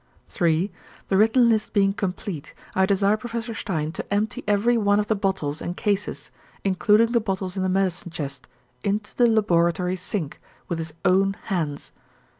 "'(3) The written list being complete, I desire Professor Stein to empty every one of the bottles and cases, including the bottles in the medicine chest, into the laboratory sink, with his own hands.